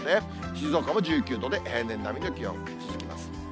静岡も１９度で平年並みの気温続きます。